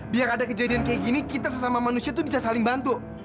biar ada kejadian kayak gini kita sesama manusia itu bisa saling bantu